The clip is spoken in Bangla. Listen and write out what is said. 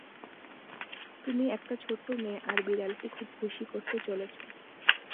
তুমি একটা ছোট্ট মেয়ে আর বিড়ালকে খুব খুশি করতে চলেছ।